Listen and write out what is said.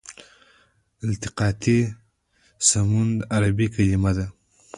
التقاطي سمون عربي کلمه ده.